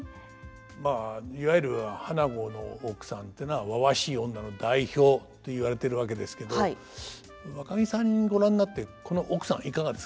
まあいわゆる「花子」の奥さんっていうのはわわしい女の代表と言われてるわけですけどわかぎさんご覧になってこの奥さんいかがですか？